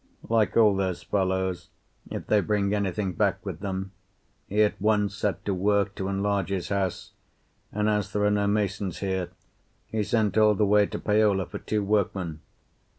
Like all those fellows, if they bring anything back with them, he at once set to work to enlarge his house, and as there are no masons here, he sent all the way to Paola for two workmen.